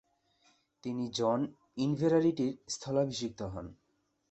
তিনি জন ইনভেরারিটি’র স্থলাভিষিক্ত হন।